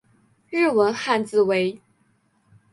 日文汉字为。